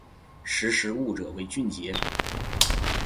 识时务者为俊杰